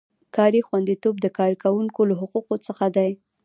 کاري خوندیتوب د کارکوونکي له حقونو څخه دی.